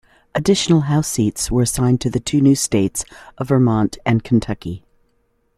Additional House seats were assigned to the two new states of Vermont and Kentucky.